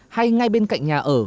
hay ngay bên cạnh nhà ở